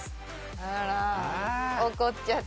あら怒っちゃって。